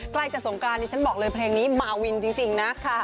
ใกล้จะสงกรานดิฉันบอกเลยเพลงนี้มาวินจริงนะ